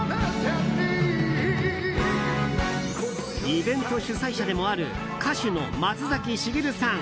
イベント主催者でもある歌手の松崎しげるさん。